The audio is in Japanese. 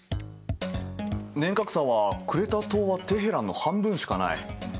年較差はクレタ島はテヘランの半分しかない。